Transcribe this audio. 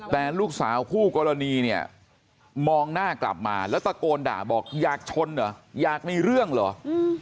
แต่ลูกสาวคู่กรณีเนี่ยมองหน้ากลับมาแล้วตะโกนด่าบอกอยากชนเหรออยากมีเรื่องเหรอ